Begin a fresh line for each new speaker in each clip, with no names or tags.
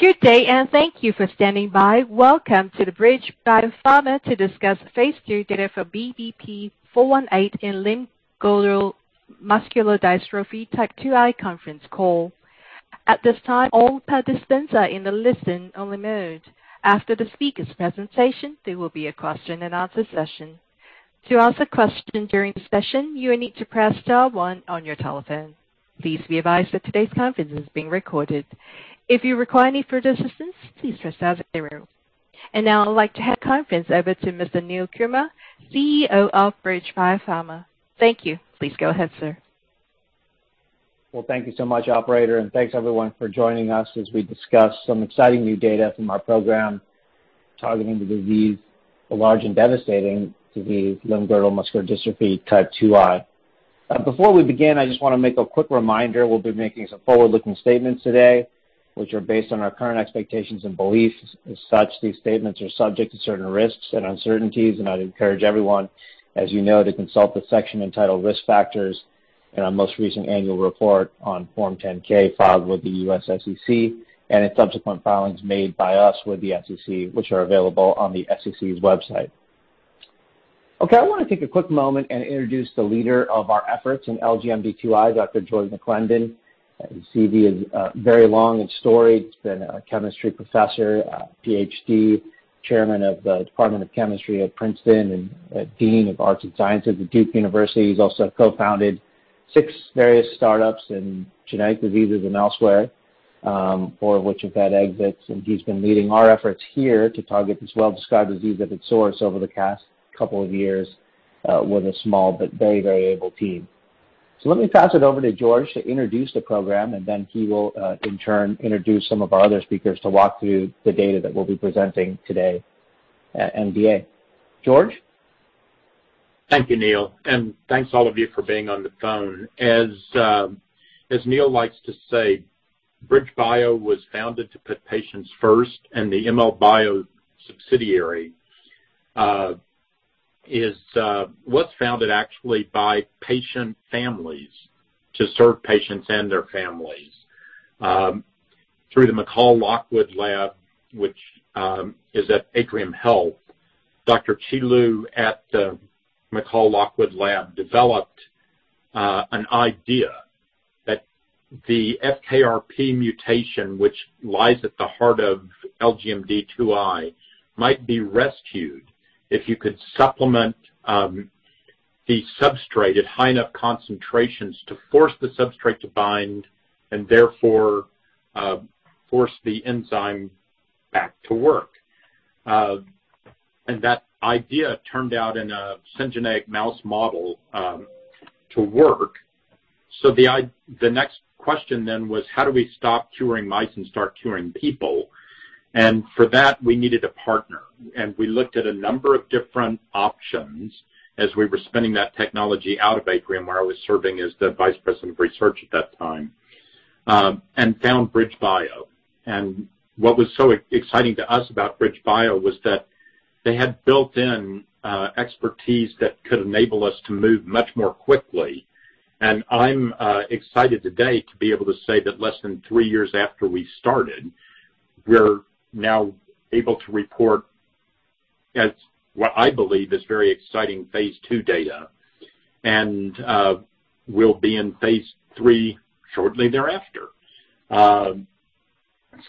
Good day, and thank you for standing by. Welcome to the BridgeBio Pharma conference call to discuss phase II data for BBP-418 in limb-girdle muscular dystrophy type 2I. At this time, all participants are in a listen-only mode. After the speakers' presentation, there will be a question and answer session. To ask a question during the session, you will need to press star one on your telephone. Please be advised that today's conference is being recorded. If you require any further assistance, please press star zero. Now I'd like to hand the conference over to Mr. Neil Kumar, CEO of BridgeBio Pharma. Thank you. Please go ahead, sir.
Well, thank you so much, operator, and thanks everyone for joining us as we discuss some exciting new data from our program targeting the disease, the large and devastating disease, limb-girdle muscular dystrophy type 2I. Before we begin, I just wanna make a quick reminder. We'll be making some forward-looking statements today, which are based on our current expectations and beliefs. As such, these statements are subject to certain risks and uncertainties, and I'd encourage everyone, as you know, to consult the section entitled Risk Factors in our most recent annual report on Form 10-K filed with the U.S. SEC, and in subsequent filings made by us with the SEC, which are available on the SEC's website. Okay, I wanna take a quick moment and introduce the leader of our efforts in LGMD2I, Dr. George McLendon. As you can see, he has a very long story. He's been a chemistry professor, a PhD, Chairman of the Department of Chemistry at Princeton, and Dean of Arts and Sciences at Duke University. He's also co-founded six various startups in genetic diseases and elsewhere, four of which have had exits. He's been leading our efforts here to target this well-described disease at its source over the past couple of years, with a small but very, very able team. Let me pass it over to George to introduce the program, and then he will, in turn, introduce some of our other speakers to walk through the data that we'll be presenting today at MDA. George?
Thank you, Neil, and thanks all of you for being on the phone. As Neil likes to say, BridgeBio was founded to put patients first, and the ML Bio subsidiary was founded actually by patient families to serve patients and their families. Through the McColl-Lockwood Lab, which is at Atrium Health. Dr. Qi Lu at the McColl-Lockwood Lab developed an idea that the FKRP mutation, which lies at the heart of LGMD2I, might be rescued if you could supplement the substrate at high enough concentrations to force the substrate to bind and therefore force the enzyme back to work. That idea turned out in a syngeneic mouse model to work. The next question was: how do we stop curing mice and start curing people? For that, we needed a partner. We looked at a number of different options as we were spinning that technology out of Atrium, where I was serving as the vice president of research at that time, and found BridgeBio. What was so exciting to us about BridgeBio was that they had built in expertise that could enable us to move much more quickly. I'm excited today to be able to say that less than three years after we started, we're now able to report what I believe is very exciting phase II data. We'll be in phase III shortly thereafter. That's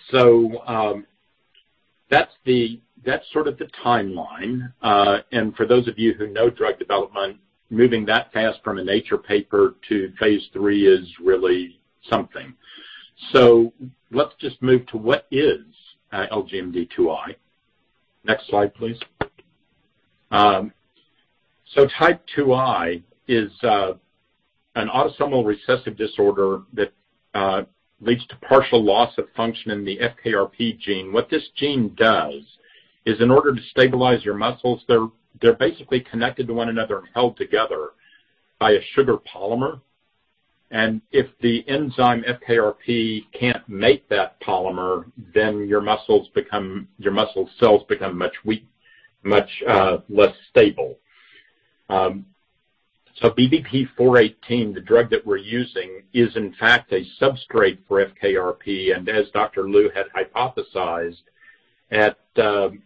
sort of the timeline. For those of you who know drug development, moving that fast from a Nature paper to phase III is really something. Let's just move to what is LGMD2I. Next slide, please. Type 2I is an autosomal recessive disorder that leads to partial loss of function in the FKRP gene. What this gene does is in order to stabilize your muscles, they're basically connected to one another and held together by a sugar polymer. If the enzyme FKRP can't make that polymer, then your muscle cells become much weaker, much less stable. BBP-418, the drug that we're using, is in fact a substrate for FKRP. As Dr. Lu had hypothesized, at the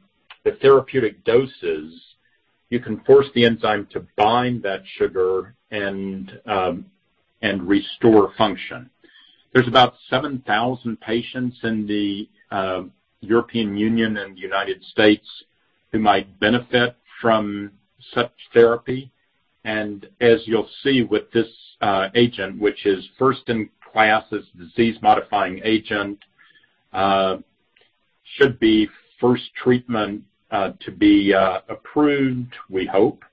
therapeutic doses, you can force the enzyme to bind that sugar and restore function. There's about 7,000 patients in the European Union and the United States who might benefit from such therapy. As you'll see with this agent, which is first in class as a disease-modifying agent, should be first treatment to be approved, we hope.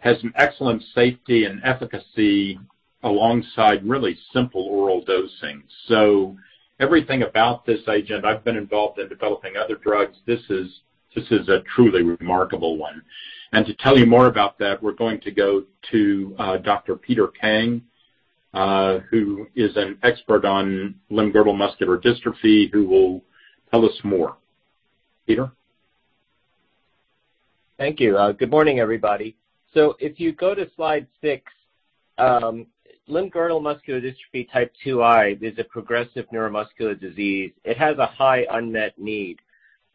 Has some excellent safety and efficacy alongside really simple oral dosing. Everything about this agent, I've been involved in developing other drugs, this is a truly remarkable one. To tell you more about that, we're going to go to Dr. Peter Kang, who is an expert on limb-girdle muscular dystrophy, who will tell us more. Peter?
Thank you. Good morning, everybody. If you go to slide six, limb-girdle muscular dystrophy type 2I is a progressive neuromuscular disease. It has a high unmet need,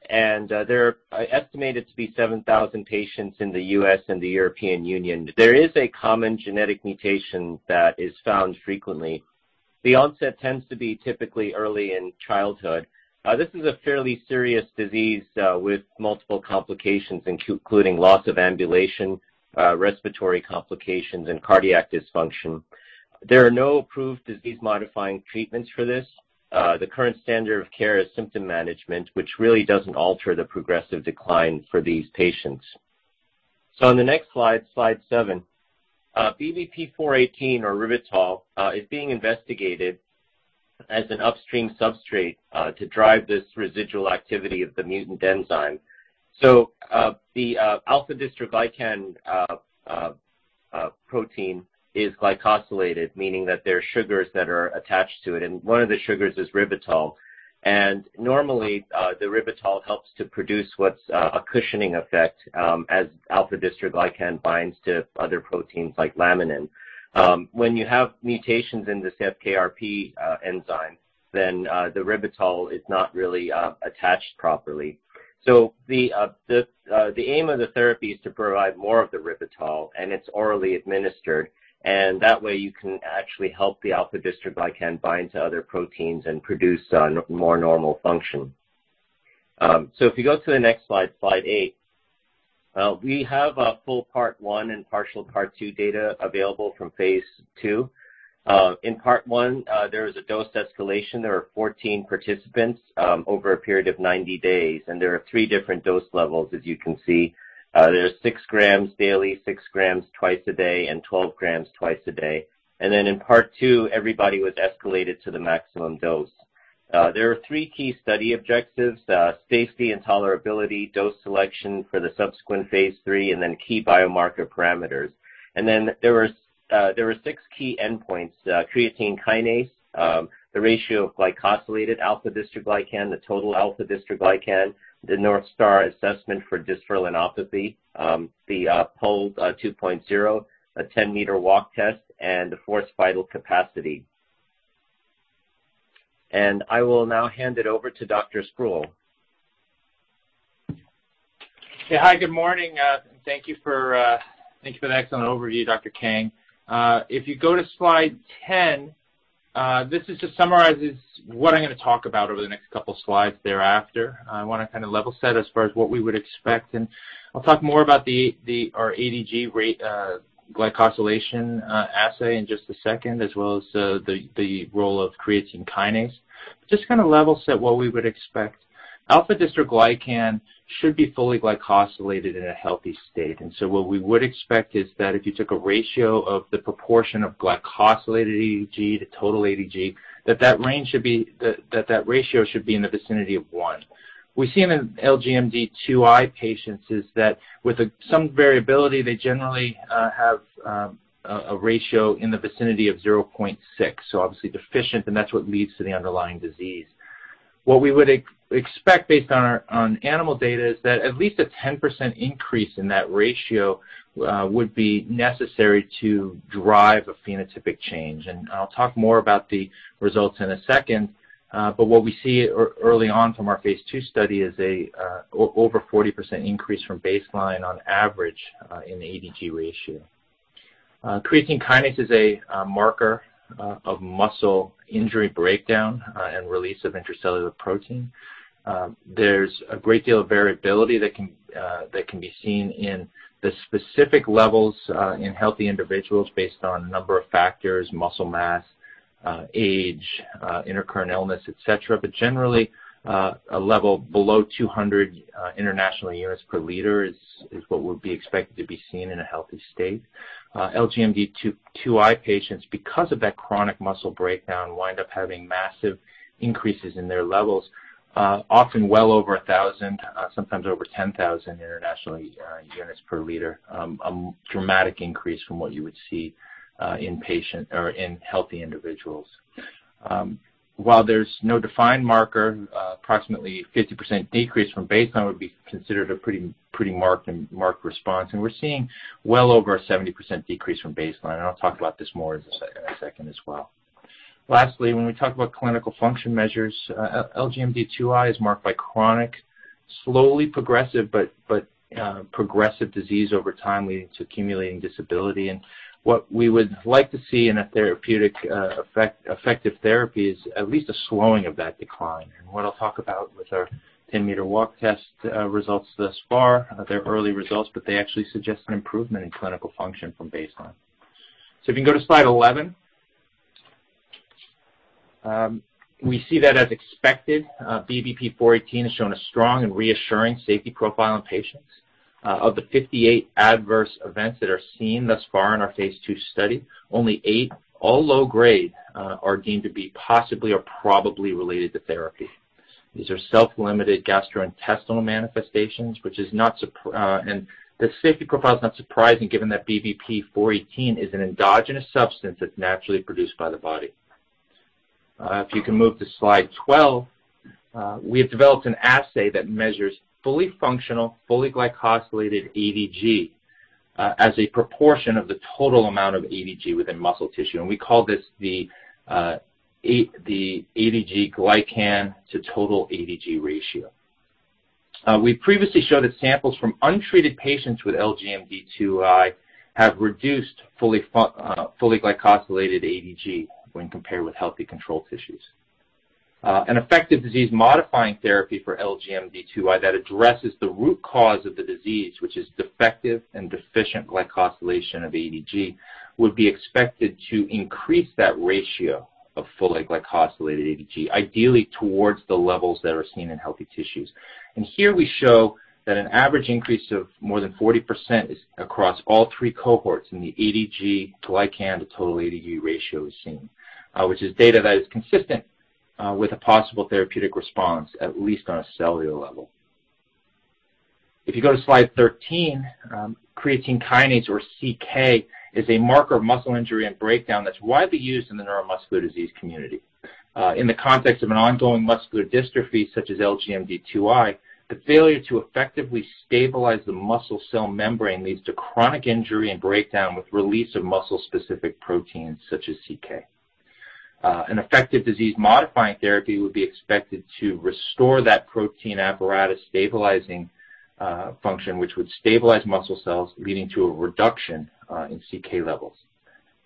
and there are estimated to be 7,000 patients in the U.S. and the European Union. There is a common genetic mutation that is found frequently. The onset tends to be typically early in childhood. This is a fairly serious disease with multiple complications including loss of ambulation, respiratory complications, and cardiac dysfunction. There are no approved disease-modifying treatments for this. The current standard of care is symptom management, which really doesn't alter the progressive decline for these patients. On the next slide seven, BBP-418 or ribitol is being investigated as an upstream substrate to drive this residual activity of the mutant enzyme. The alpha-dystroglycan protein is glycosylated, meaning that there are sugars that are attached to it, and one of the sugars is ribitol. Normally, the ribitol helps to produce what's a cushioning effect, as alpha-dystroglycan binds to other proteins like laminin. When you have mutations in the FKRP enzyme, then the ribitol is not really attached properly. The aim of the therapy is to provide more of the ribitol, and it's orally administered. That way, you can actually help the alpha-dystroglycan bind to other proteins and produce more normal function. If you go to the next slide eight, we have a full part one and partial part two data available from phase II. In part one, there was a dose escalation. There were 14 participants over a period of 90 days, and there are three different dose levels as you can see. There's 6 grams daily, 6 grams twice a day, and 12 grams twice a day. In part two, everybody was escalated to the maximum dose. There are three key study objectives. Safety and tolerability, dose selection for the subsequent phase III, and key biomarker parameters. There were six key endpoints. Creatine kinase, the ratio of glycosylated alpha-dystroglycan, the total alpha-dystroglycan, the North Star Assessment for dystrophinopathy, the PUL 2.0, a 10-meter walk test, and a forced vital capacity. I will now hand it over to Dr. Sproule.
Hi, good morning. Thank you for the excellent overview, Dr. Kang. If you go to slide 10, this just summarizes what I'm gonna talk about over the next couple slides thereafter. I wanna kinda level set as far as what we would expect, and I'll talk more about our αDG glycosylation assay in just a second, as well as the role of creatine kinase. Just to kinda level set what we would expect. Alpha-dystroglycan should be fully glycosylated in a healthy state. What we would expect is that if you took a ratio of the proportion of glycosylated αDG to total αDG, that ratio should be in the vicinity of one. we see in LGMD2I patients is that with some variability, they generally have a ratio in the vicinity of 0.6, so obviously deficient, and that's what leads to the underlying disease. What we would expect based on our animal data is that at least a 10% increase in that ratio would be necessary to drive a phenotypic change. I'll talk more about the results in a second. What we see early on from our phase II study is over 40% increase from baseline on average in the αDG ratio. Creatine kinase is a marker of muscle injury breakdown and release of intracellular protein. There's a great deal of variability that can be seen in the specific levels in healthy individuals based on a number of factors, muscle mass, age, intercurrent illness, et cetera. Generally, a level below 200 international units per liter is what would be expected to be seen in a healthy state. LGMD2I patients, because of that chronic muscle breakdown, wind up having massive increases in their levels, often well over 1,000, sometimes over 10,000 international units per liter. A dramatic increase from what you would see in patients or in healthy individuals. While there's no defined marker, approximately 50% decrease from baseline would be considered a pretty marked response. We're seeing well over a 70% decrease from baseline. I'll talk about this more in a second as well. Lastly, when we talk about clinical function measures, LGMD2I is marked by chronic, slowly progressive but progressive disease over time leading to accumulating disability. What we would like to see in a therapeutic effect, effective therapy is at least a slowing of that decline. What I'll talk about with our 10-meter walk test results thus far, they're early results, but they actually suggest an improvement in clinical function from baseline. If you can go to slide 11. We see that as expected, BBP-418 has shown a strong and reassuring safety profile in patients. Of the 58 adverse events that are seen thus far in our phase II study, only eight, all low grade, are deemed to be possibly or probably related to therapy. These are self-limited gastrointestinal manifestations, which is not surprising, and the safety profile is not surprising given that BBP-418 is an endogenous substance that's naturally produced by the body. If you can move to slide 12, we have developed an assay that measures fully functional, fully glycosylated αDG as a proportion of the total amount of αDG within muscle tissue. We call this the αDG glycan to total αDG ratio. We previously showed that samples from untreated patients with LGMD2I have reduced fully glycosylated αDG when compared with healthy control tissues. An effective disease-modifying therapy for LGMD2I that addresses the root cause of the disease, which is defective and deficient glycosylation of αDG, would be expected to increase that ratio of fully glycosylated αDG, ideally towards the levels that are seen in healthy tissues. Here we show that an average increase of more than 40% is across all three cohorts in the αDG glycan to total αDG ratio is seen, which is data that is consistent with a possible therapeutic response, at least on a cellular level. If you go to slide 13, creatine kinase, or CK, is a marker of muscle injury and breakdown that's widely used in the neuromuscular disease community. In the context of an ongoing muscular dystrophy such as LGMD2I, the failure to effectively stabilize the muscle cell membrane leads to chronic injury and breakdown with release of muscle-specific proteins such as CK. An effective disease-modifying therapy would be expected to restore that protein apparatus stabilizing function, which would stabilize muscle cells, leading to a reduction in CK levels.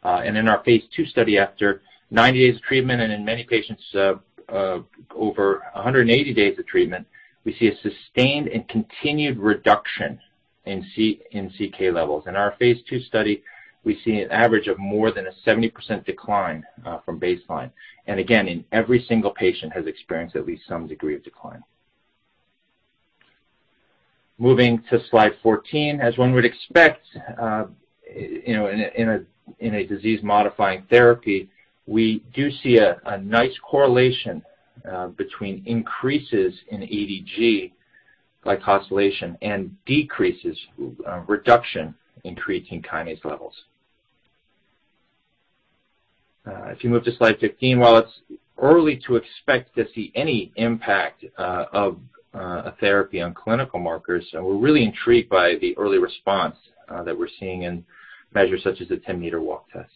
In our phase II study, after 90 days of treatment, and in many patients, over 180 days of treatment, we see a sustained and continued reduction in serum CK levels. In our phase II study, we see an average of more than a 70% decline from baseline, and again, in every single patient has experienced at least some degree of decline. Moving to slide 14, as one would expect, you know, in a disease-modifying therapy, we do see a nice correlation between increases in αDG glycosylation and reduction in creatine kinase levels. If you move to slide 15, while it's early to expect to see any impact of a therapy on clinical markers, we're really intrigued by the early response that we're seeing in measures such as the 10-meter walk test.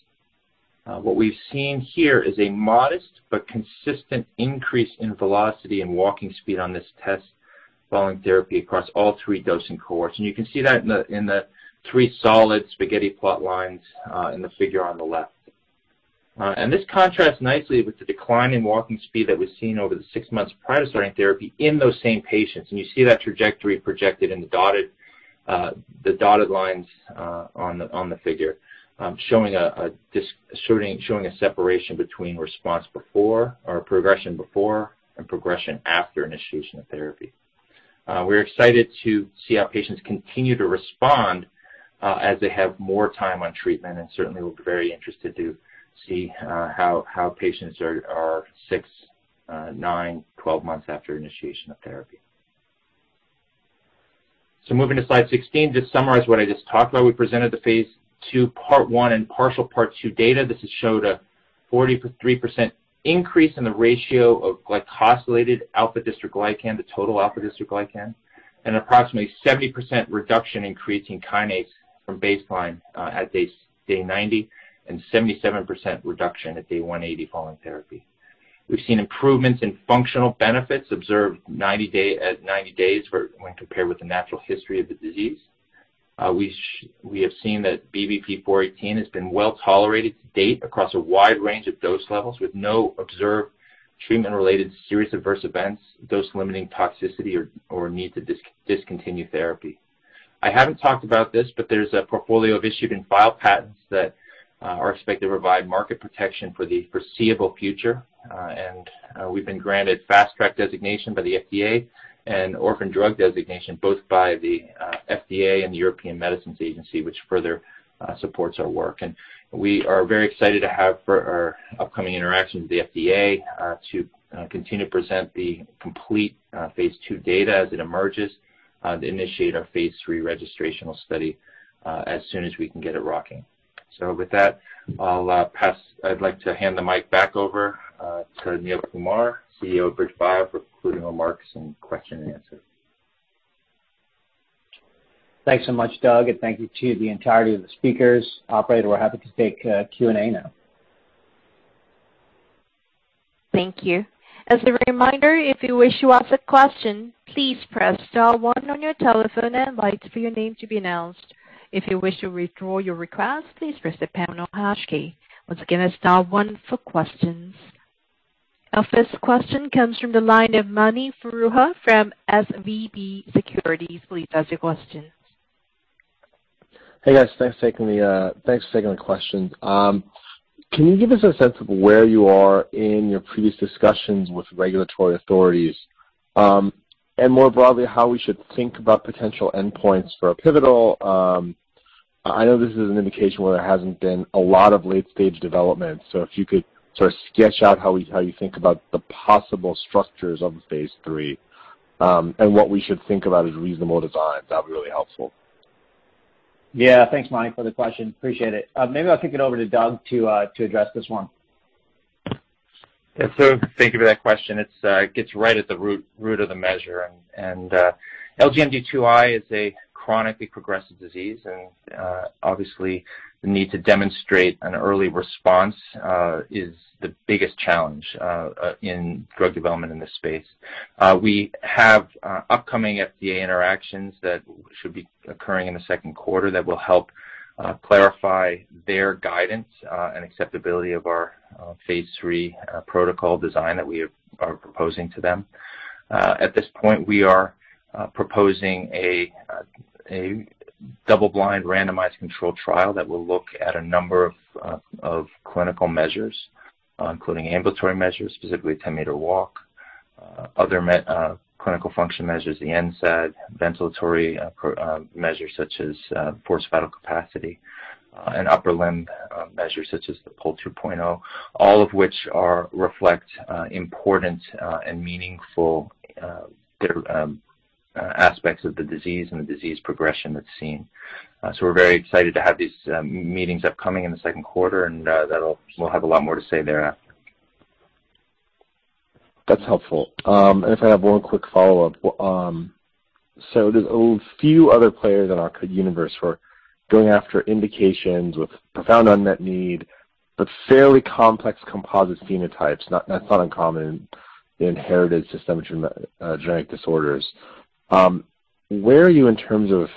What we've seen here is a modest but consistent increase in velocity and walking speed on this test following therapy across all three dosing cohorts. You can see that in the three solid spaghetti plot lines in the figure on the left. This contrasts nicely with the decline in walking speed that was seen over the six months prior to starting therapy in those same patients. You see that trajectory projected in the dotted lines on the figure, showing a separation between progression before and progression after initiation of therapy. We're excited to see how patients continue to respond as they have more time on treatment, and certainly we're very interested to see how patients are six, nine, 12 months after initiation of therapy. Moving to slide 16, to summarize what I just talked about, we presented the phase II part one and partial part two data. This has showed a 43% increase in the ratio of glycosylated alpha-dystroglycan to total alpha-dystroglycan, and approximately 70% reduction in creatine kinase from baseline at Day 90, and 77% reduction at Day 180 following therapy. We've seen improvements in functional benefits observed 90-day, at 90 days when compared with the natural history of the disease. We have seen that BBP-418 has been well-tolerated to date across a wide range of dose levels with no observed treatment-related serious adverse events, dose-limiting toxicity or need to discontinue therapy. I haven't talked about this, but there's a portfolio of issued and filed patents that are expected to provide market protection for the foreseeable future. We've been granted Fast Track designation by the FDA and Orphan Drug Designation, both by the FDA and the European Medicines Agency, which further supports our work. We are very excited to have for our upcoming interaction with the FDA to continue to present the complete phase II data as it emerges to initiate our phase III registrational study as soon as we can get it rocking. With that, I'd like to hand the mic back over to Neil Kumar, CEO of BridgeBio, for concluding remarks and question and answer.
Thanks so much, Doug, and thank you to the entirety of the speakers. Operator, we're happy to take Q&A now.
Thank you. As a reminder, if you wish to ask a question, please press star one on your telephone and wait for your name to be announced. If you wish to withdraw your request, please press the pound or hash key. Once again, it's star one for questions. Our first question comes from the line of Mani Foroohar from SVB Securities. Please ask your question.
Hey, guys. Thanks for taking the question. Can you give us a sense of where you are in your previous discussions with regulatory authorities? More broadly, how should we think about potential endpoints for a pivotal? I know this is an indication where there hasn't been a lot of late-stage development, so if you could sort of sketch out how you think about the possible structures of phase III, and what we should think about as reasonable designs, that'd be really helpful.
Yeah. Thanks, Mani, for the question. Appreciate it. Maybe I'll kick it over to Doug to address this one.
Yeah. Thank you for that question. It gets right at the root of the measure. LGMD2I is a chronically progressive disease, and obviously the need to demonstrate an early response is the biggest challenge in drug development in this space. We have upcoming FDA interactions that should be occurring in the second quarter that will help clarify their guidance and acceptability of our phase III protocol design that we are proposing to them. At this point, we are proposing a double-blind randomized controlled trial that will look at a number of clinical measures, including ambulatory measures, specifically 10-meter walk, other clinical function measures, the NSAD, ventilatory measures such as forced vital capacity, and upper limb measures such as the PUL 2.0. All of which reflect important and meaningful aspects of the disease and the disease progression that's seen. We're very excited to have these meetings upcoming in the second quarter, and that'll. We'll have a lot more to say thereafter.
That's helpful. If I have one quick follow-up. There's a few other players in our universe who are going after indications with profound unmet need, but fairly complex composite phenotypes. That's not uncommon in inherited systemic genetic disorders. Where are you in terms of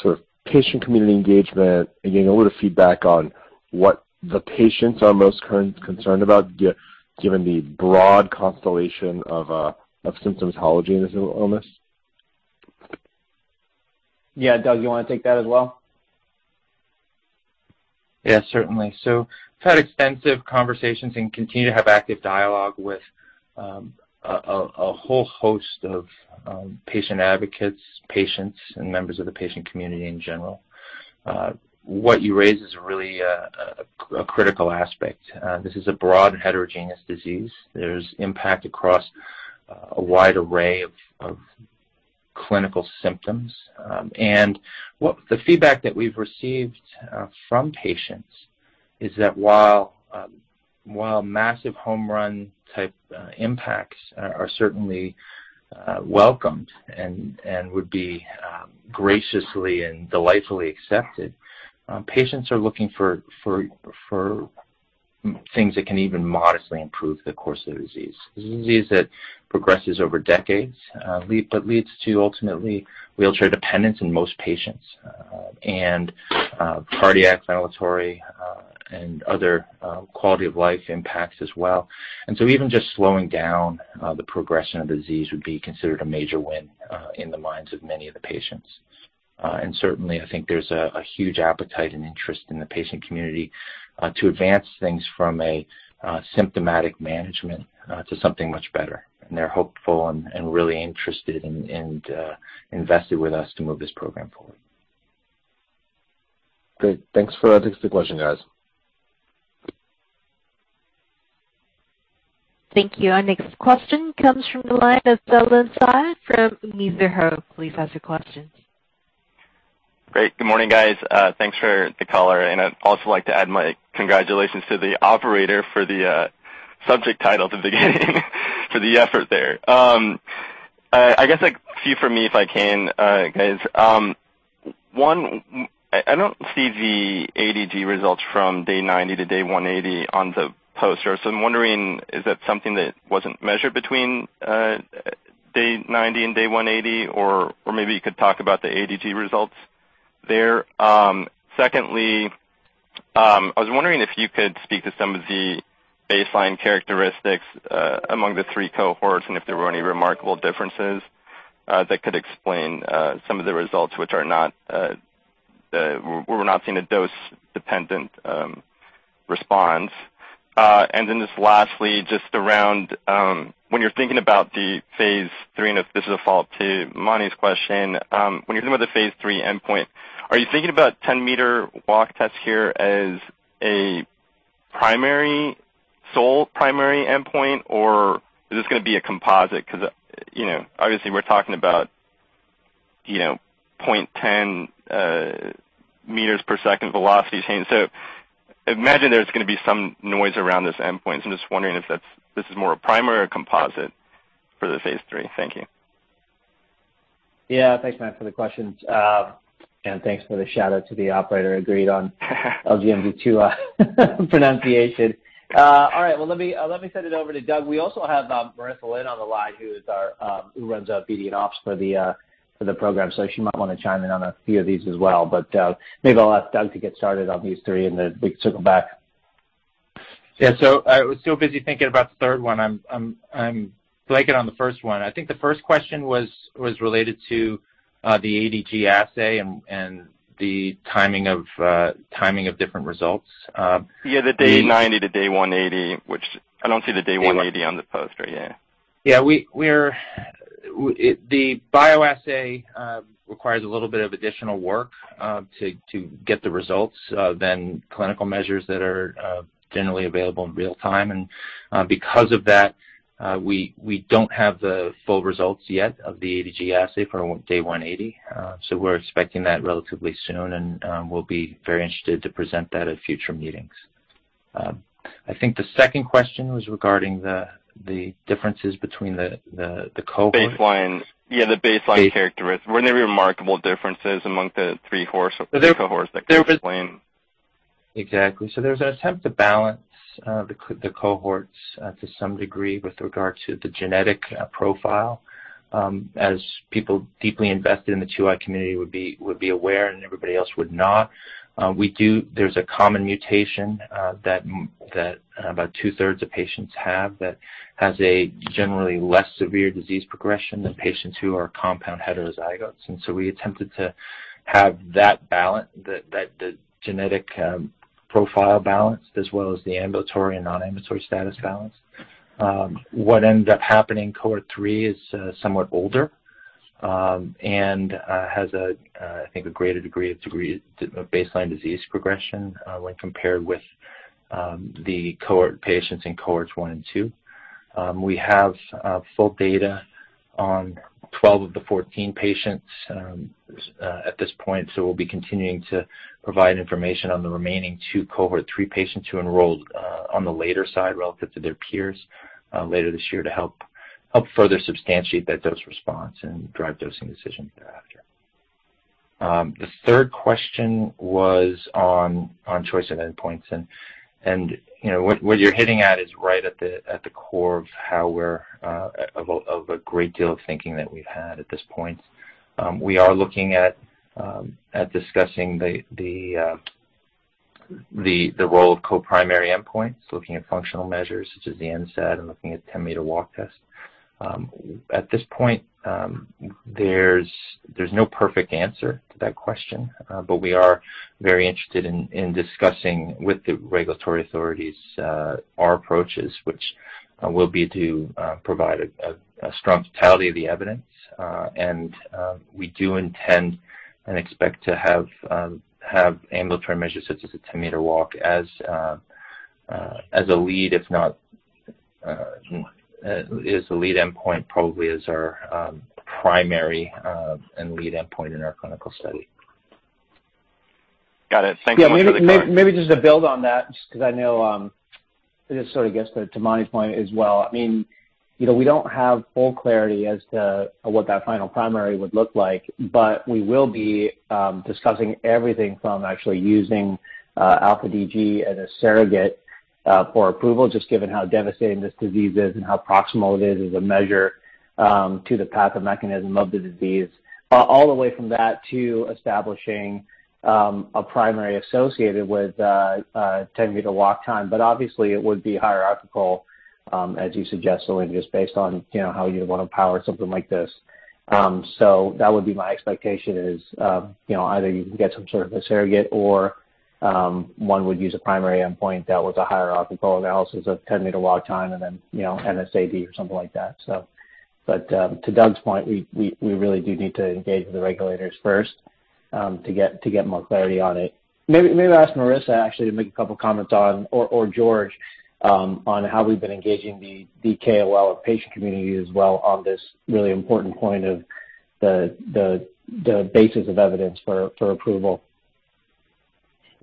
sort of patient community engagement and getting a little feedback on what the patients are most concerned about given the broad constellation of symptoms pathology in this illness?
Yeah. Doug, you wanna take that as well?
Yeah, certainly. We've had extensive conversations and continue to have active dialogue with a whole host of patient advocates, patients, and members of the patient community in general. What you raise is really a critical aspect. This is a broad heterogeneous disease. There's impact across a wide array of clinical symptoms. What the feedback that we've received from patients is that while massive home run type impacts are certainly welcomed and would be graciously and delightfully accepted, patients are looking for things that can even modestly improve the course of the disease. This is a disease that progresses over decades that leads to ultimately wheelchair dependence in most patients and cardiac, pulmonary, and other quality of life impacts as well. Even just slowing down the progression of disease would be considered a major win in the minds of many of the patients. Certainly I think there's a huge appetite and interest in the patient community to advance things from a symptomatic management to something much better. They're hopeful and really interested and invested with us to move this program forward.
Great. Thanks for taking the question, guys.
Thank you. Our next question comes from the line of Salim Syed from Mizuho. Please ask your question.
Great. Good morning, guys. Thanks for the color, and I'd also like to add my congratulations to the operator for the subject title at the beginning for the effort there. I guess, like, a few for me, if I can, guys. One, I don't see the αDG results from Day 90 to Day 180 on the post. So I'm wondering, is that something that wasn't measured between Day 90 and Day 180, or maybe you could talk about the αDG results there? Secondly, I was wondering if you could speak to some of the baseline characteristics among the three cohorts and if there were any remarkable differences that could explain some of the results, which we're not seeing a dose-dependent response. Just lastly, just around when you're thinking about the phase III, and if this is a follow-up to Mani's question, when you're thinking about the phase III endpoint, are you thinking about 10-meter walk tests here as a primary, sole primary endpoint, or is this gonna be a composite? 'Cause you know, obviously we're talking about you know, 0.10 meters per second velocity change. Imagine there's gonna be some noise around this endpoint. I'm just wondering if this is more a primary or composite for the phase III. Thank you.
Yeah. Thanks, man, for the questions. Thanks for the shout-out to the operator. Agreed on LGMD2I pronunciation. All right. Well, let me send it over to Doug. We also have Marissa Lynn on the line, who runs our BD and Ops for the program. So she might wanna chime in on a few of these as well. But maybe I'll ask Doug to get started on these three, and then we can circle back.
Yeah. I was so busy thinking about the third one. I'm blanking on the first one. I think the first question was related to the αDG assay and the timing of different results.
Yeah. The Day 90 to Day 180, which I don't see the Day 180 on the post right here.
Yeah. The bioassay requires a little bit of additional work to get the results than clinical measures that are generally available in real time. Because of that, we don't have the full results yet of the αDG assay for Day 180. We're expecting that relatively soon, and we'll be very interested to present that at future meetings. I think the second question was regarding the differences between the cohort.
Baseline. Yeah, the baseline characteristic. Were there remarkable differences among the three cohorts that could explain?
Exactly. There's an attempt to balance the cohorts to some degree with regard to the genetic profile. As people deeply invested in the 2I community would be aware and everybody else would not. There's a common mutation that about 2/3 of patients have that has a generally less severe disease progression than patients who are compound heterozygotes. We attempted to have that balance, the genetic profile balanced as well as the ambulatory and non-ambulatory status balanced. What ended up happening, cohort three is somewhat older and has, I think, a greater degree of baseline disease progression when compared with the cohort patients in cohorts one and two. We have full data on 12 of the 14 patients at this point, so we'll be continuing to provide information on the remaining two cohort three patients who enrolled on the later side relative to their peers later this year to help further substantiate that dose response and drive dosing decisions thereafter. The third question was on choice of endpoints. You know, what you're hitting at is right at the core of a great deal of thinking that we've had at this point. We are looking at discussing the role of co-primary endpoints, looking at functional measures such as the NSAD and looking at 10-meter walk test. At this point, there's no perfect answer to that question, but we are very interested in discussing with the regulatory authorities our approaches, which will be to provide a strong totality of the evidence. We do intend and expect to have ambulatory measures such as a 10-meter walk as a lead, if not, as a lead endpoint, probably as our primary and lead endpoint in our clinical study.
Got it. Thank you much for the clar-
Yeah. Maybe just to build on that, just 'cause I know, this sort of gets to my point as well. I mean, you know, we don't have full clarity as to what that final primary would look like, but we will be discussing everything from actually using alpha-DG as a surrogate for approval, just given how devastating this disease is and how proximal it is as a measure to the path of mechanism of the disease, all the way from that to establishing a primary associated with a 10-meter walk test. But obviously it would be hierarchical, as you suggest, Salim, just based on, you know, how you want to power something like this. That would be my expectation is, you know, either you can get some sort of a surrogate or, one would use a primary endpoint that was a hierarchical analysis of 10-meter walk time and then, you know, NSAD or something like that. But to Doug's point, we really do need to engage with the regulators first, to get more clarity on it. Maybe ask Marissa actually to make a couple comments on, or George, on how we've been engaging the KOL or patient community as well on this really important point of the basis of evidence for approval.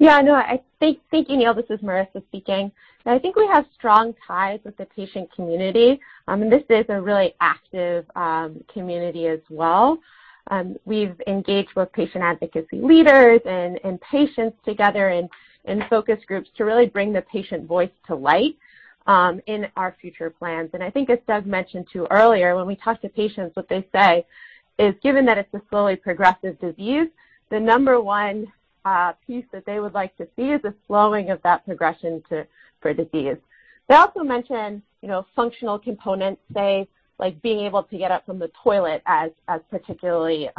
Thank you, Neil. This is Marissa speaking. I think we have strong ties with the patient community. This is a really active community as well. We've engaged with patient advocacy leaders and patients together in focus groups to really bring the patient voice to light in our future plans. I think as Doug mentioned too earlier, when we talk to patients, what they say is, given that it's a slowly progressive disease, the number one piece that they would like to see is a slowing of that progression to forestall disease. They also mentioned functional components, say, like being able to get up from the toilet as particularly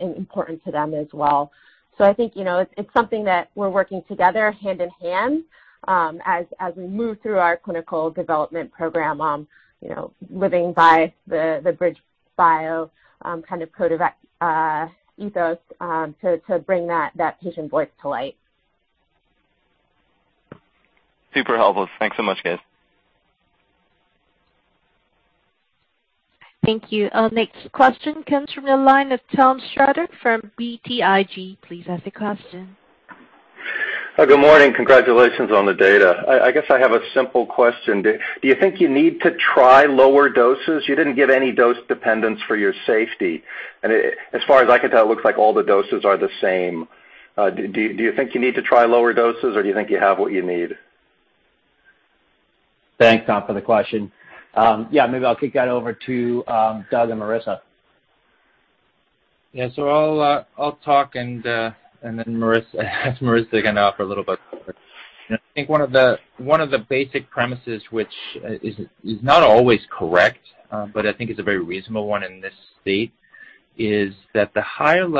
important to them as well. I think, you know, it's something that we're working together hand in hand, as we move through our clinical development program, you know, living by the BridgeBio kind of patient direct ethos, to bring that patient voice to light.
Super helpful. Thanks so much, guys.
Thank you. Our next question comes from the line of Thomas Shrader from BTIG. Please ask a question.
Good morning. Congratulations on the data. I guess I have a simple question. Do you think you need to try lower doses? You didn't get any dose dependence for your safety. As far as I can tell, it looks like all the doses are the same. Do you think you need to try lower doses or do you think you have what you need?
Thanks, Tom, for the question. Yeah, maybe I'll kick that over to Doug and Marissa.
Yeah. I'll talk and then we'll ask Marissa again after a little bit. I think one of the basic premises, which is not always correct, but I think it's a very reasonable one in this state, is that the highest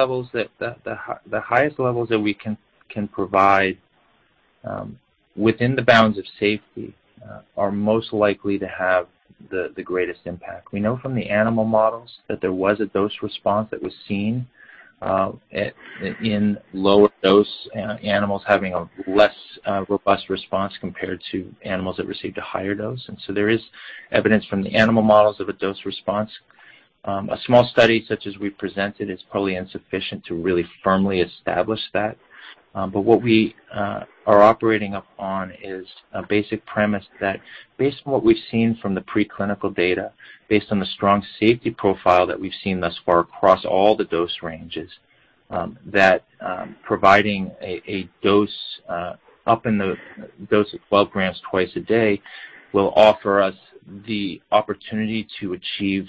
levels that we can provide within the bounds of safety are most likely to have the greatest impact. We know from the animal models that there was a dose response that was seen in lower dose animals having a less robust response compared to animals that received a higher dose. There is evidence from the animal models of a dose response. A small study such as we presented is probably insufficient to really firmly establish that. What we are operating upon is a basic premise that based on what we've seen from the preclinical data, based on the strong safety profile that we've seen thus far across all the dose ranges, that providing a dose up in the dose of 12 grams twice a day will offer us the opportunity to achieve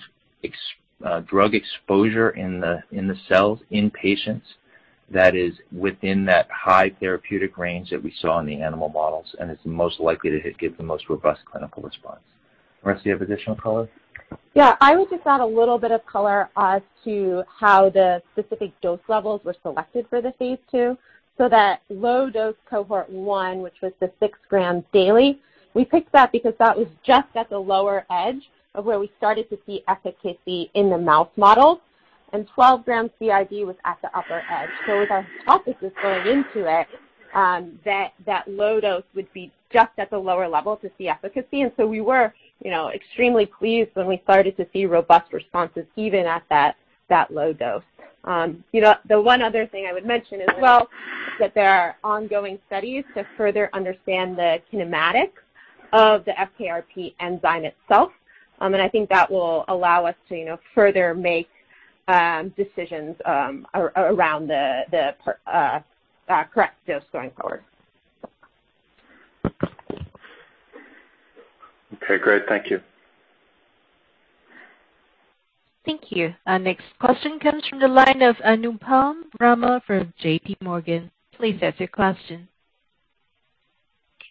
drug exposure in the cells in patients that is within that high therapeutic range that we saw in the animal models, and it's most likely to give the most robust clinical response. Marissa, you have additional color?
Yeah. I would just add a little bit of color as to how the specific dose levels were selected for the phase II. That low dose cohort one, which was the 6 grams daily, we picked that because that was just at the lower edge of where we started to see efficacy in the mouse model. 12 grams BID was at the upper edge. It was our hypothesis going into it that that low dose would be just at the lower level to see efficacy. We were, you know, extremely pleased when we started to see robust responses even at that low dose. You know, the one other thing I would mention as well is that there are ongoing studies to further understand the kinematics of the FKRP enzyme itself. I think that will allow us to, you know, further make decisions around the correct dose going forward.
Okay. Great. Thank you.
Thank you. Our next question comes from the line of Anupam Rama from JPMorgan. Please ask your question.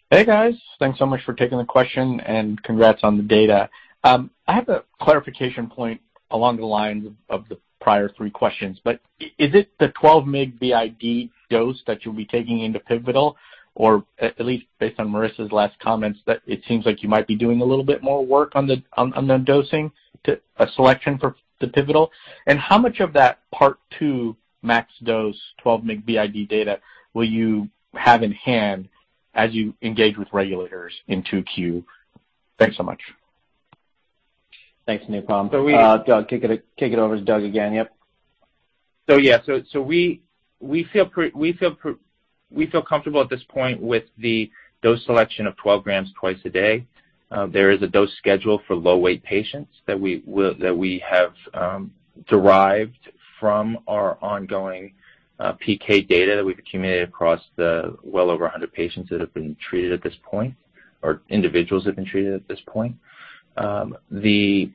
Hey, guys. Thanks so much for taking the question, and congrats on the data. I have a clarification point along the lines of the prior three questions. Is it the 12 mg BID dose that you'll be taking into pivotal? Or at least based on Marissa's last comments, that it seems like you might be doing a little bit more work on the dosing dose selection for the pivotal. How much of that part two max dose 12 mg BID data will you have in hand as you engage with regulators in 2Q? Thanks so much.
Thanks, Anupam. Doug, kick it over to Doug again. Yep. We feel comfortable at this point with the dose selection of 12 grams twice a day. There is a dose schedule for low weight patients that we have derived from our ongoing PK data that we've accumulated across well over 100 patients or individuals that have been treated at this point. We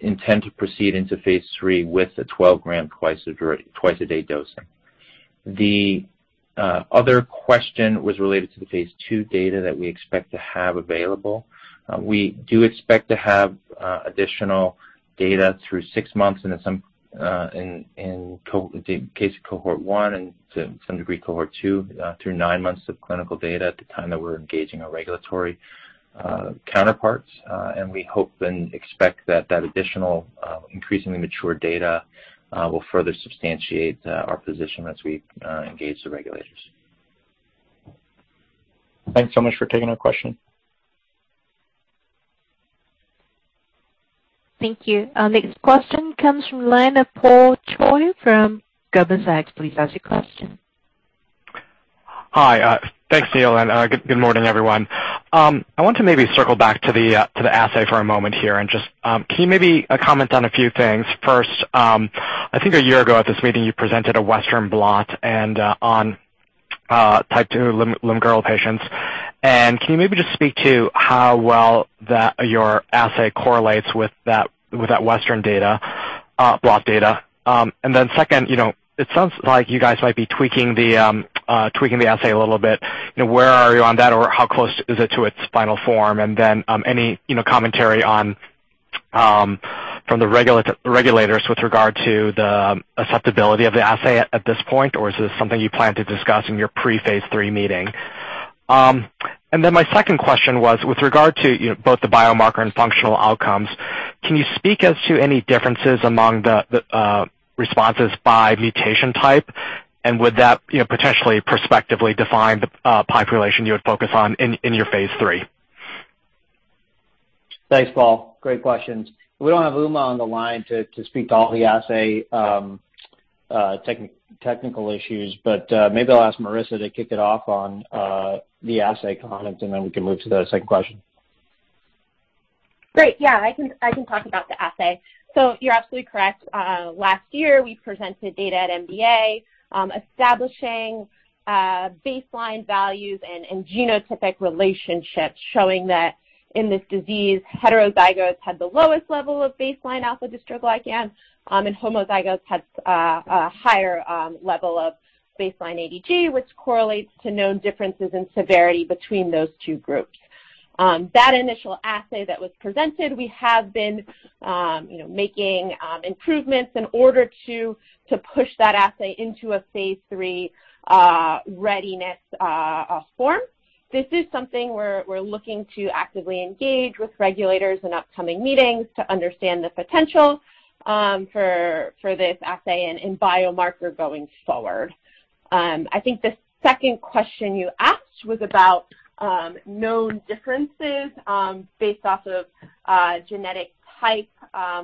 intend to proceed into phase III with the 12 gram twice a day dosing. The other question was related to the phase II data that we expect to have available. We do expect to have additional data through six months and in some cohort one and to some degree cohort two through nine months of clinical data at the time that we're engaging our regulatory counterparts. We hope and expect that additional increasingly mature data will further substantiate our position as we engage the regulators.
Thanks so much for taking our question.
Thank you. Our next question comes from the line of Paul Choi from Goldman Sachs. Please ask your question.
Hi. Thanks, Neil. Good morning, everyone. I want to maybe circle back to the assay for a moment here and just can you maybe comment on a few things? First, I think a year ago at this meeting you presented a western blot and on type 2I limb-girdle patients. Can you maybe just speak to how well your assay correlates with that western blot data? Then second, you know, it sounds like you guys might be tweaking the assay a little bit. You know, where are you on that or how close is it to its final form? Then any commentary on from the regulators with regard to the acceptability of the assay at this point? Is this something you plan to discuss in your pre-phase III meeting? My second question was, with regard to you know, both the biomarker and functional outcomes, can you speak as to any differences among the responses by mutation type? Would that you know, potentially prospectively define the population you would focus on in your phase III?
Thanks, Paul. Great questions. We don't have Uma on the line to speak to all the assay technical issues, but maybe I'll ask Marissa to kick it off on the assay comment, and then we can move to the second question.
Great. Yeah. I can talk about the assay. You're absolutely correct. Last year, we presented data at MDA, establishing baseline values and genotypic relationships showing that in this disease, heterozygotes had the lowest level of baseline alpha-dystroglycan, and homozygotes had a higher level of baseline αDG, which correlates to known differences in severity between those two groups. That initial assay that was presented, we have been, you know, making improvements in order to push that assay into a phase III readiness form. This is something we're looking to actively engage with regulators in upcoming meetings to understand the potential for this assay as a biomarker going forward. I think the second question you asked was about known differences based off of genetic type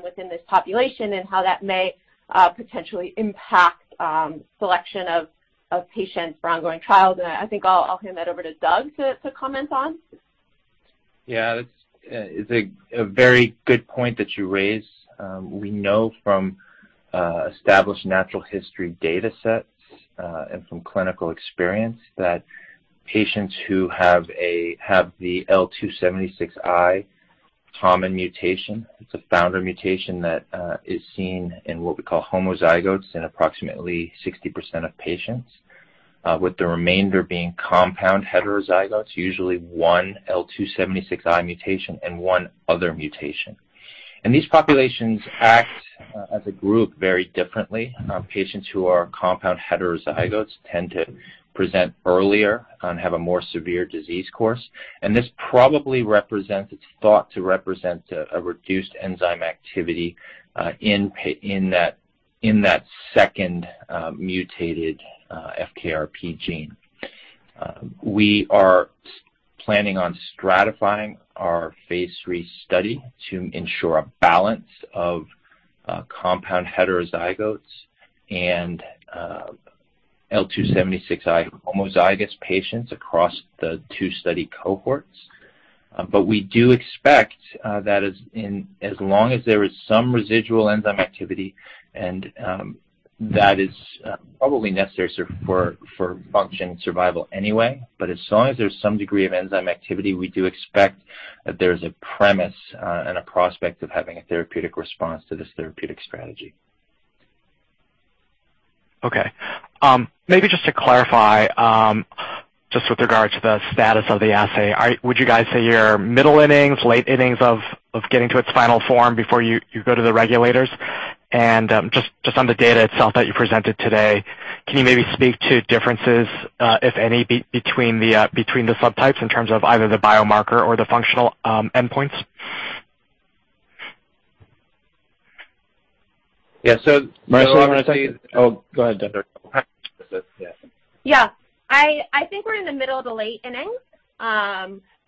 within this population and how that may potentially impact selection of patients for ongoing trials. I think I'll hand that over to Doug to comment on.
Yeah. It's a very good point that you raise. We know from established natural history data sets and from clinical experience that patients who have the L276I common mutation, it's a founder mutation that is seen in what we call homozygotes in approximately 60% of patients, with the remainder being compound heterozygotes, usually one L276I mutation and one other mutation. These populations act as a group very differently. Patients who are compound heterozygotes tend to present earlier and have a more severe disease course. This probably represents a reduced enzyme activity in that second mutated FKRP gene. We are planning on stratifying our phase III study to ensure a balance of compound heterozygotes and L276I homozygous patients across the two study cohorts. We do expect that as long as there is some residual enzyme activity and that is probably necessary for function survival anyway. As long as there's some degree of enzyme activity, we do expect that there's a premise and a prospect of having a therapeutic response to this therapeutic strategy.
Okay. Maybe just to clarify, just with regards to the status of the assay, would you guys say you're middle innings, late innings of getting to its final form before you go to the regulators? Just on the data itself that you presented today, can you maybe speak to differences, if any, between the subtypes in terms of either the biomarker or the functional endpoints?
Yeah. Marissa-
I think.
Oh, go ahead, Doug.
Yeah. I think we're in the middle of the late innings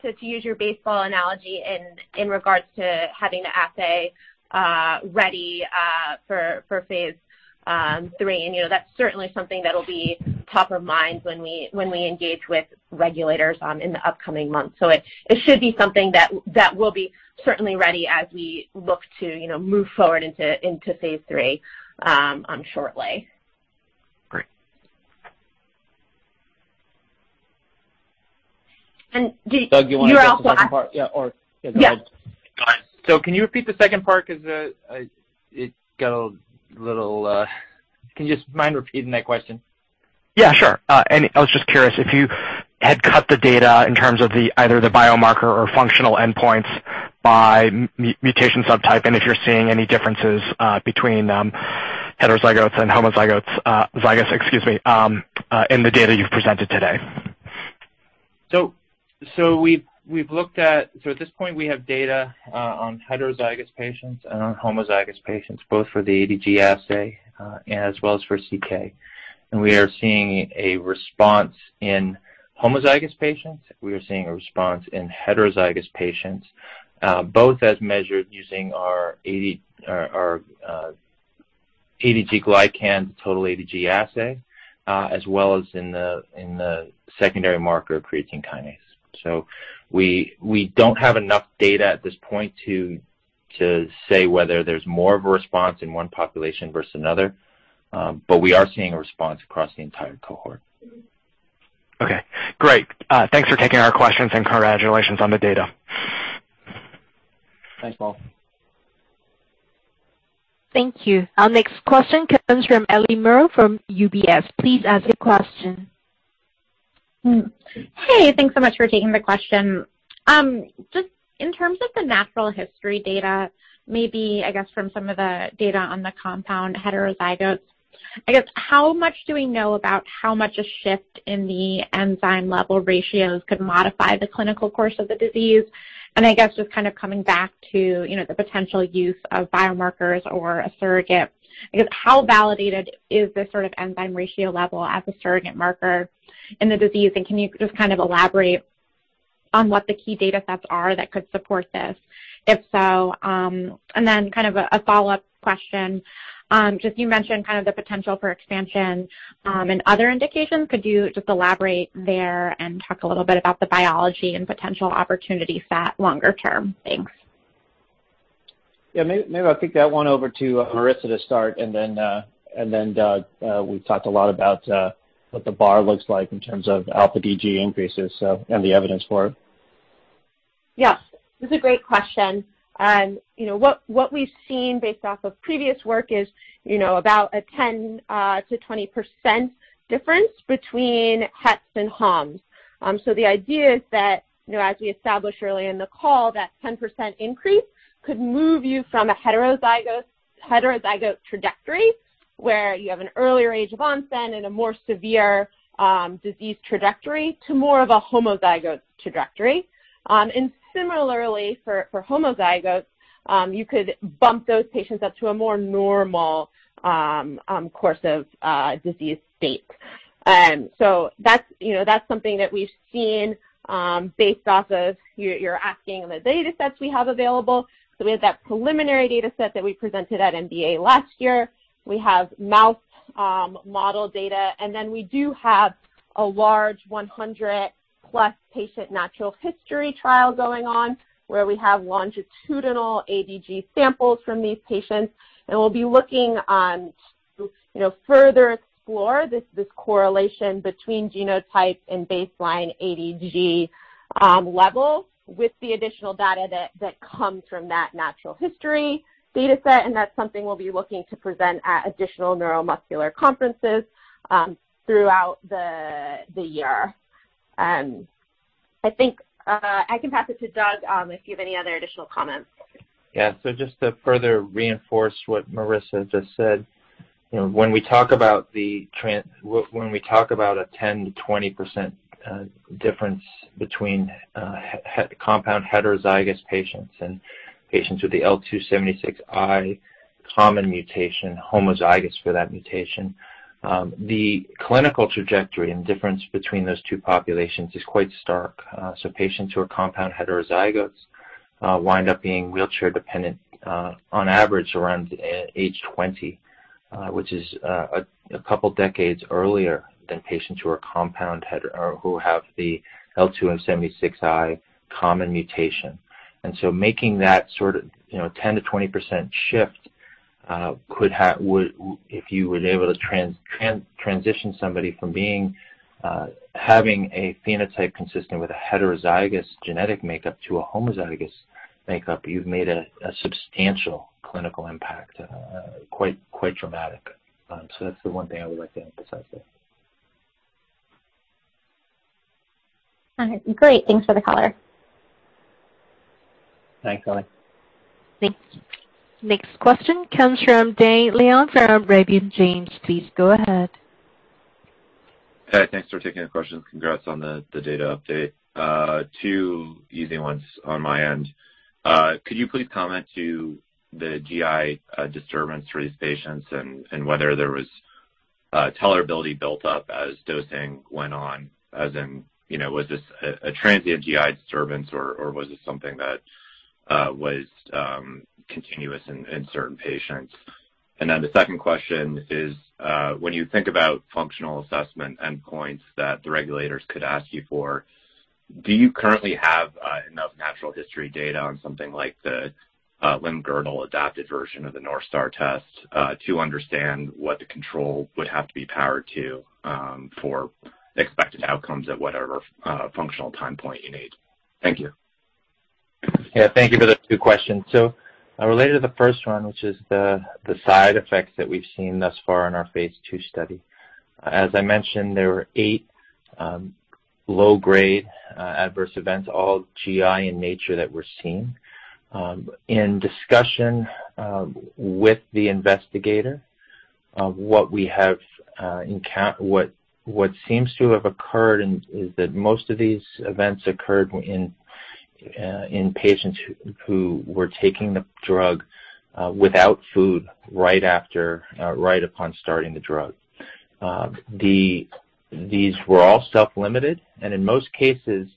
to use your baseball analogy in regards to having the assay ready for phase III. That's certainly something that'll be top of mind when we engage with regulators in the upcoming months. It should be something that will be certainly ready as we look to you know move forward into phase III shortly.
Great.
And do-
Doug, do you wanna take the second part?
Yeah.
Go ahead. Can you repeat the second part? 'Cause it got a little. Can you just mind repeating that question?
Yeah, sure. I was just curious if you had cut the data in terms of either the biomarker or functional endpoints by mutation subtype, and if you're seeing any differences between heterozygotes and homozygotes in the data you've presented today.
At this point, we have data on heterozygous patients and on homozygous patients, both for the αDG assay and as well as for CK. We are seeing a response in homozygous patients. We are seeing a response in heterozygous patients, both as measured using our αDG glycan, total αDG assay, as well as in the secondary marker creatine kinase. We don't have enough data at this point to say whether there's more of a response in one population versus another. We are seeing a response across the entire cohort.
Okay. Great. Thanks for taking our questions, and congratulations on the data.
Thanks, Paul.
Thank you. Our next question comes from Ellie Merle from UBS. Please ask your question.
Hey, thanks so much for taking the question. Just in terms of the natural history data, maybe I guess from some of the data on the compound heterozygotes, I guess how much do we know about how much a shift in the enzyme level ratios could modify the clinical course of the disease? And I guess just kind of coming back to, you know, the potential use of biomarkers or a surrogate, I guess how validated is this sort of enzyme ratio level as a surrogate marker in the disease? And can you just kind of elaborate on what the key data sets are that could support this? If so, and then kind of a follow-up question, just you mentioned kind of the potential for expansion, and other indications. Could you just elaborate there and talk a little bit about the biology and potential opportunities at longer term? Thanks.
Yeah. Maybe I'll kick that one over to Marissa to start and then Doug, we've talked a lot about what the bar looks like in terms of alpha-DG increases, so and the evidence for it.
Yes. This is a great question. You know what we've seen based off of previous work is, you know, about a 10%-20% difference between HETs and HOMs. So the idea is that, you know, as we established early in the call, that 10% increase could move you from a heterozygote trajectory where you have an earlier age of onset and a more severe disease trajectory to more of a homozygote trajectory. Similarly for homozygotes, you could bump those patients up to a more normal course of disease state. So that's, you know, that's something that we've seen based off of you're asking the datasets we have available. So we have that preliminary dataset that we presented at MDA last year. We have mouse model data, and then we do have a large 100+ patient natural history trial going on, where we have longitudinal αDG samples from these patients. We'll be looking forward to, you know, further explore this correlation between genotype and baseline αDG levels with the additional data that comes from that natural history dataset, and that's something we'll be looking to present at additional neuromuscular conferences throughout the year. I think I can pass it to Doug if you have any other additional comments.
Yeah. Just to further reinforce what Marissa just said, you know, when we talk about a 10%-20% difference between compound heterozygous patients and patients with the L276I common mutation, homozygous for that mutation, the clinical trajectory and difference between those two populations is quite stark. Patients who are compound heterozygotes wind up being wheelchair dependent on average around age 20, which is a couple decades earlier than patients who have the L276I common mutation. Making that sort of, you know, 10%-20% shift would if you were able to transition somebody from being having a phenotype consistent with a heterozygous genetic makeup to a homozygous makeup, you've made a substantial clinical impact quite dramatic. That's the one thing I would like to emphasize there.
All right. Great. Thanks for the color.
Thanks, Ellie.
Thanks. Next question comes from Dane Leone from Raymond James. Please go ahead.
Hey, thanks for taking the questions. Congrats on the data update. Two easy ones on my end. Could you please comment on the GI disturbance for these patients and whether there was tolerability built up as dosing went on? As in, you know, was this a transient GI disturbance, or was this something that was continuous in certain patients? The second question is, when you think about functional assessment endpoints that the regulators could ask you for, do you currently have enough natural history data on something like the limb-girdle adapted version of the North Star test to understand what the control would have to be powered to for expected outcomes at whatever functional time point you need? Thank you.
Yeah, thank you for the two questions. Related to the first one, which is the side effects that we've seen thus far in our phase II study. As I mentioned, there were eight low-grade adverse events, all GI in nature, that were seen. In discussion with the investigator, what seems to have occurred is that most of these events occurred in patients who were taking the drug without food right upon starting the drug. These were all self-limited and in most cases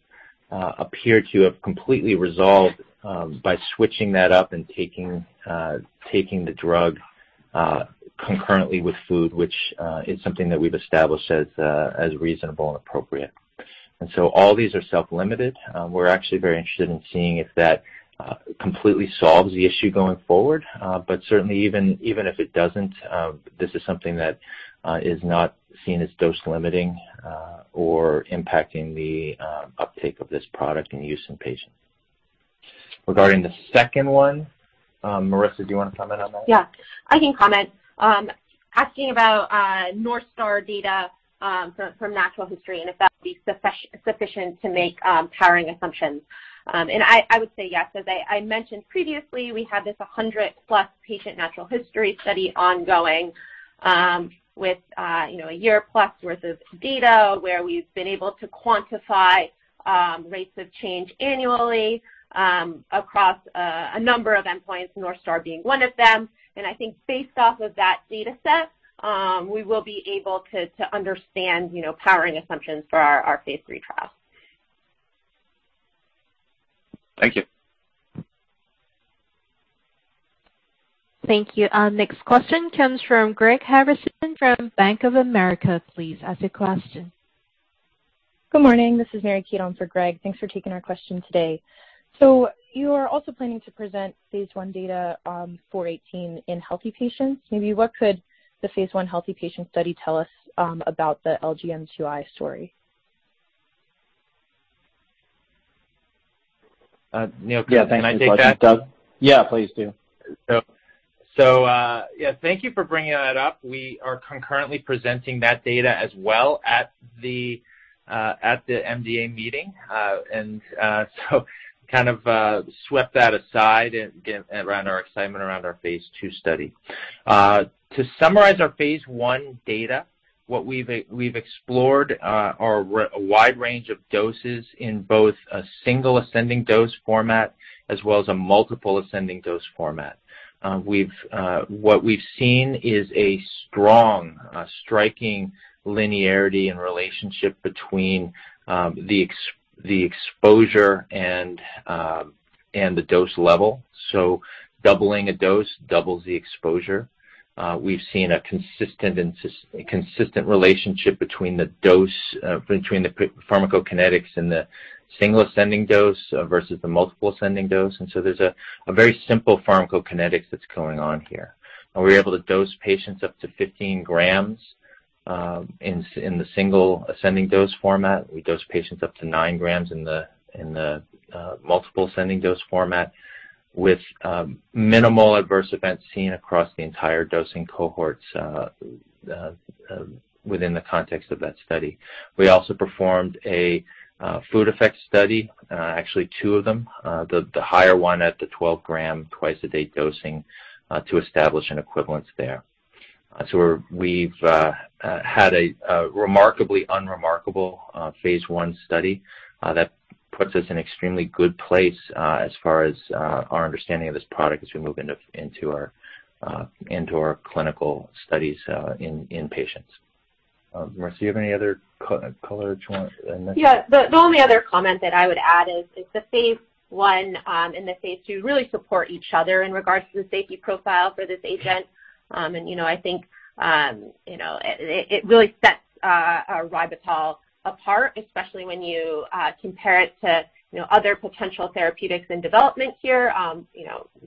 appeared to have completely resolved by switching that up and taking the drug concurrently with food, which is something that we've established as reasonable and appropriate. All these are self-limited. We're actually very interested in seeing if that completely solves the issue going forward. Certainly even if it doesn't, this is something that is not seen as dose limiting or impacting the uptake of this product and use in patients. Regarding the second one, Marissa, do you wanna comment on that?
Yeah. I can comment. Asking about North Star data from natural history and if that would be sufficient to make powering assumptions. I would say yes. As I mentioned previously, we have this 100+ patient natural history study ongoing with you know a year plus worth of data where we've been able to quantify rates of change annually across a number of endpoints, North Star being one of them. I think based off of that dataset we will be able to understand you know powering assumptions for our phase III trials.
Thank you.
Thank you. Our next question comes from Greg Harrison from Bank of America. Please ask your question.
Good morning. This is Mary Kate on for Greg. Thanks for taking our question today. You are also planning to present phase I data, BBP-418 in healthy patients. Maybe what could the phase I healthy patient study tell us, about the LGMD2I story?
Neil, can I take that?
Yeah, please do.
Yeah, thank you for bringing that up. We are concurrently presenting that data as well at the MDA meeting. Kind of swept that aside and get around our excitement around our phase II study. To summarize our phase I data, what we've explored are a wide range of doses in both a single ascending dose format as well as a multiple ascending dose format. What we've seen is a strong striking linearity and relationship between the exposure and the dose level. Doubling a dose doubles the exposure. We've seen a consistent relationship between the pharmacokinetics and the single ascending dose versus the multiple ascending dose. There's a very simple pharmacokinetics that's going on here. We were able to dose patients up to 15 grams in the single ascending dose format. We dosed patients up to 9 grams in the multiple ascending dose format with minimal adverse events seen across the entire dosing cohorts within the context of that study. We also performed a food effect study, actually two of them, the higher one at the 12-gram twice-a-day dosing to establish an equivalence there. We've had a remarkably unremarkable phase I study that puts us in extremely good place as far as our understanding of this product as we move into our clinical studies in patients. Marissa, you have any other color that you want in this?
Yeah. The only other comment that I would add is the phase I and the phase II really support each other in regards to the safety profile for this agent. You know, I think it really sets ribitol apart, especially when you compare it to other potential therapeutics in development here,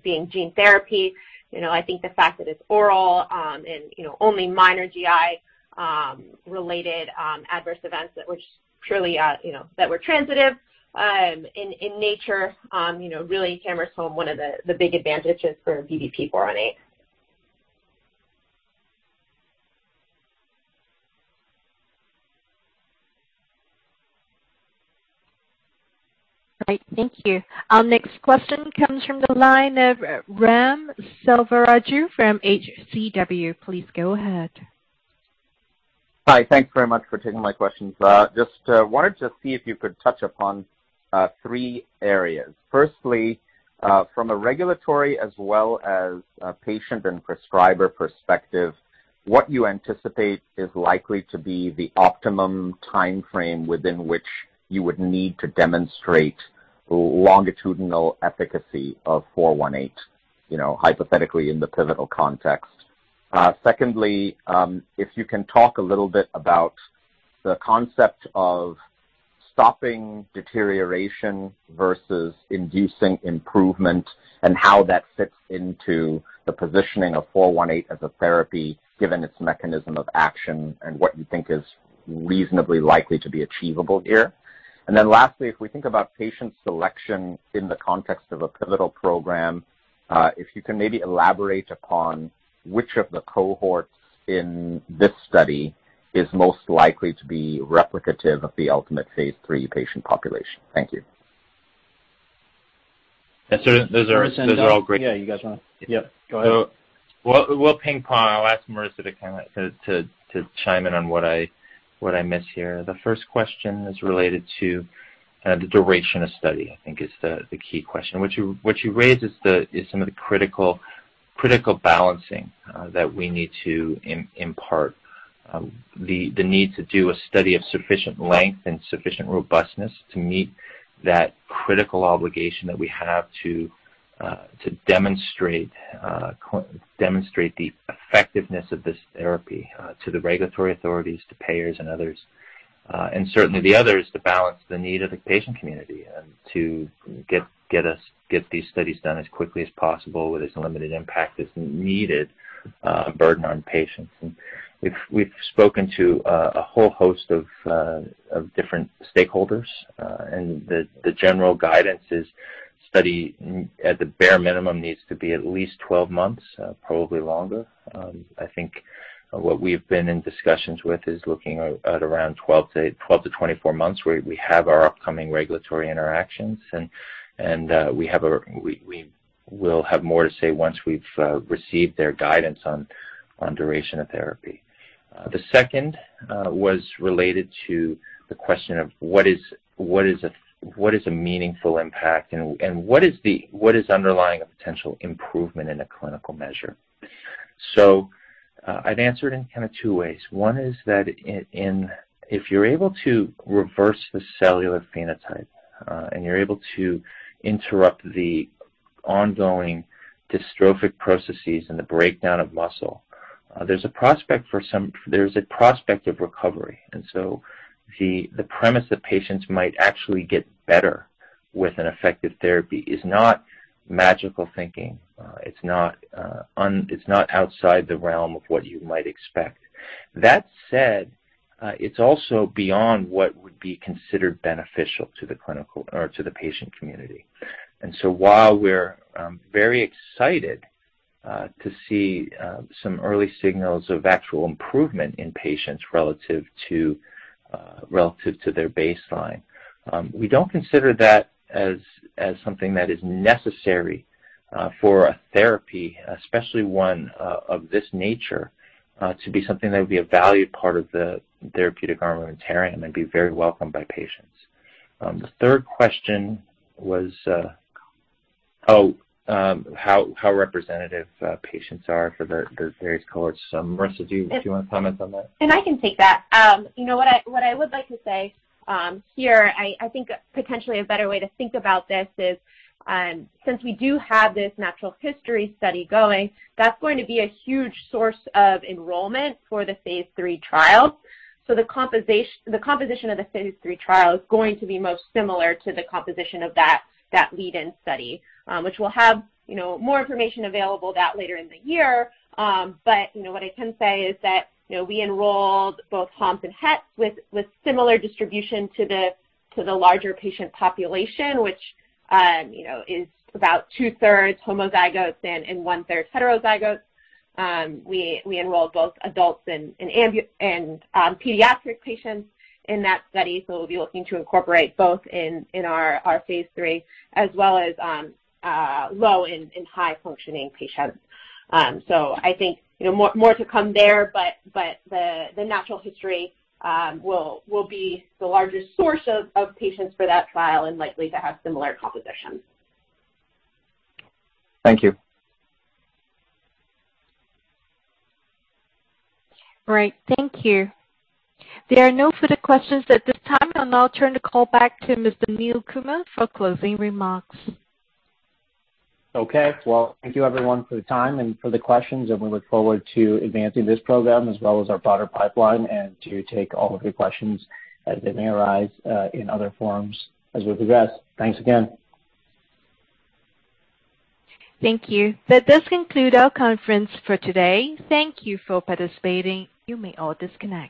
being gene therapy. You know, I think the fact that it's oral and only minor GI related adverse events that were purely that were transient in nature really hammers home one of the big advantages for BBP-418.
Great. Thank you. Our next question comes from the line of Ram Selvaraju from H.C. Wainwright. Please go ahead.
Hi. Thanks very much for taking my questions. Just wanted to see if you could touch upon three areas. Firstly, from a regulatory as well as a patient and prescriber perspective, what you anticipate is likely to be the optimum timeframe within which you would need to demonstrate longitudinal efficacy of BBP-418, you know, hypothetically in the pivotal context. Secondly, if you can talk a little bit about the concept of stopping deterioration versus inducing improvement and how that fits into the positioning of BBP-418 as a therapy given its mechanism of action and what you think is reasonably likely to be achievable here. Lastly, if we think about patient selection in the context of a pivotal program, if you can maybe elaborate upon which of the cohorts in this study is most likely to be replicative of the ultimate phase III patient population? Thank you.
Those are all great.
Yep, go ahead.
We'll ping-pong. I'll ask Marissa to kinda chime in on what I miss here. The first question is related to the duration of study, I think is the key question. What you raised is some of the critical balancing that we need to impart. The need to do a study of sufficient length and sufficient robustness to meet that critical obligation that we have to demonstrate the effectiveness of this therapy to the regulatory authorities, to payers and others. Certainly the other is to balance the need of the patient community and to get these studies done as quickly as possible with as limited impact as needed, burden on patients. We've spoken to a whole host of different stakeholders, and the general guidance is the study at the bare minimum needs to be at least 12 months, probably longer. I think what we've been in discussions with is looking at around 12-24 months, where we have our upcoming regulatory interactions. We will have more to say once we've received their guidance on duration of therapy. The second was related to the question of what is a meaningful impact and what is underlying a potential improvement in a clinical measure. I'd answer it in kinda two ways. One is that if you're able to reverse the cellular phenotype and you're able to interrupt the ongoing dystrophic processes and the breakdown of muscle, there's a prospect of recovery. The premise that patients might actually get better with an effective therapy is not magical thinking. It's not outside the realm of what you might expect. That said, it's also beyond what would be considered beneficial to the clinical or to the patient community. While we're very excited to see some early signals of actual improvement in patients relative to their baseline. We don't consider that as something that is necessary for a therapy, especially one of this nature, to be something that would be a valued part of the therapeutic armamentarium and be very welcomed by patients. The third question was how representative patients are for the various cohorts. Marissa, do you wanna comment on that?
I can take that. You know what I would like to say here, I think potentially a better way to think about this is, since we do have this natural history study going, that's going to be a huge source of enrollment for the phase III trial. The composition of the phase III trial is going to be most similar to the composition of that lead-in study, which we'll have, you know, more information available later in the year. You know, what I can say is that, you know, we enrolled both HOMs and HETs with similar distribution to the larger patient population, which, you know, is about 2/3 homozygotes and one-third heterozygotes. We enrolled both adults and pediatric patients in that study, so we'll be looking to incorporate both in our phase III, as well as low and high functioning patients. I think, you know, more to come there, but the natural history will be the largest source of patients for that trial and likely to have similar composition.
Thank you.
Great. Thank you. There are no further questions at this time. I'll now turn the call back to Mr. Neil Kumar for closing remarks.
Okay. Well, thank you everyone for the time and for the questions, and we look forward to advancing this program as well as our broader pipeline and to take all of your questions as they may arise, in other forums as we progress. Thanks again.
Thank you. That does conclude our conference for today. Thank you for participating. You may all disconnect.